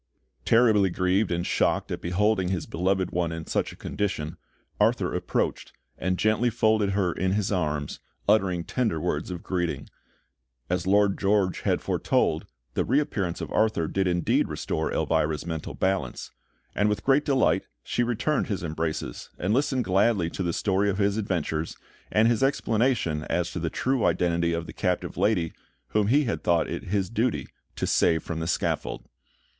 Terribly grieved and shocked at beholding his beloved one in such a condition, Arthur approached, and gently folded her in his arms, uttering tender words of greeting. As Lord George had foretold, the reappearance of Arthur did indeed restore Elvira's mental balance; and with great delight, she returned his embraces, and listened gladly to the story of his adventures, and his explanation as to the true identity of the captive lady whom he had thought it his duty to save from the scaffold.